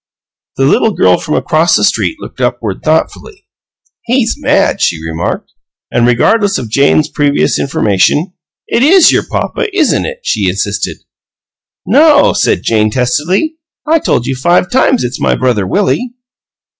The little girl from across the street looked upward thoughtfully. "He's mad," she remarked, and, regardless of Jane's previous information, "It IS your papa, isn't it?" she insisted. "No!" said Jane, testily. "I told you five times it's my brother Willie."